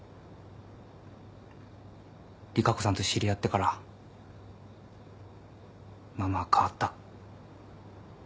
利佳子さんと知り合ってからママは変わった。